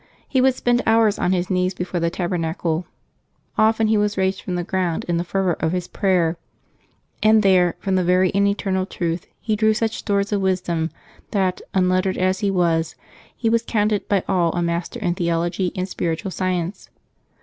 He would spend hours on his knees before the tabernacle — often he was raised from the ground in the fervor of his prayer — and there, from the very and eternal Truth, he drew such stores of wisdom that, unlettered as he was, he was counted by all a master in theology and spiritual sci ence.